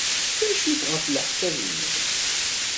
D acu-t ɣef leḥsab-nnek?